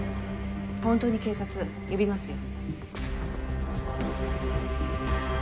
本当に警察呼びますよ。